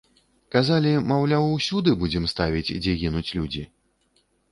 Казалі, маўляў, усюды будзем ставіць, дзе гінуць людзі?